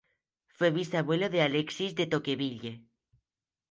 Fue bisabuelo de Alexis de Tocqueville.